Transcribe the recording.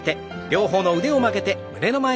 両方の腕を曲げて胸の前。